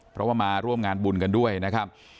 เพราะว่ามาร่วมงานบุญกันด้วยนะครับ